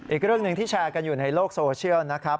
อีกเรื่องหนึ่งที่แชร์กันอยู่ในโลกโซเชียลนะครับ